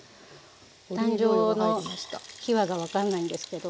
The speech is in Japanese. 誕生の秘話が分かんないんですけど。